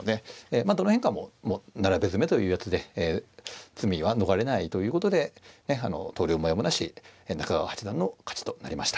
まあどの変化も並べ詰めというやつで詰みは逃れないということで投了もやむなし中川八段の勝ちとなりました。